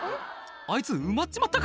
あいつ埋まっちまったか？」